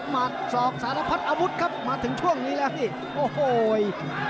หัดศอกสารพัดอาวุธครับมาถึงช่วงนี้แล้วนี่โอ้โห